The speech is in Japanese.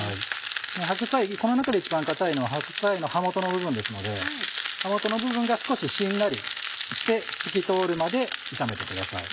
この中で一番硬いのは白菜の葉元の部分ですので葉元の部分が少ししんなりして透き通るまで炒めてください。